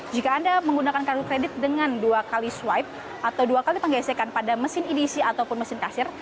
jika anda menggunakan kartu kredit dengan dua kali swipe atau dua kali penggesekan pada mesin edc ataupun mesin kasir